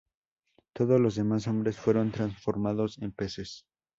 Todos los demás hombres fueron transformados en peces.